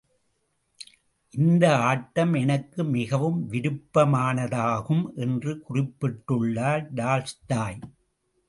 இந்த ஆட்டம் எனக்கு மிகவும் விருப்பமானதாகும். என்று குறிப்பிட்டுள்ளார், டால்ஸ்டாய்.